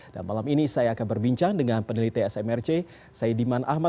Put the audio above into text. dan malam ini saya akan berbincang dengan peneliti smrc saidiman ahmad